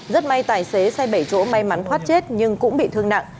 rất may tài xế xe bảy chỗ may mắn thoát chết nhưng cũng bị thương nặng